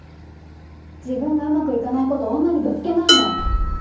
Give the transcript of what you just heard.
自分がうまくいかないこと女にぶつけないの。